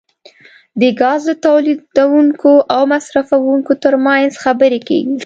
د ګازو د تولیدونکو او مصرفونکو ترمنځ خبرې کیږي